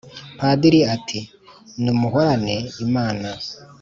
padiri, ati "numuhorane imana!"